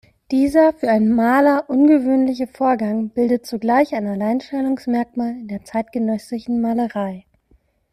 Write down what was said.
Dieser für einen Maler ungewöhnliche Vorgang bildet zugleich ein Alleinstellungsmerkmal in der zeitgenössischen Malerei.